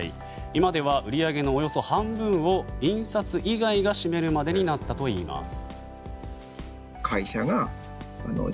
今では売り上げのおよそ半分を印刷以外が占めるまでになったといいます。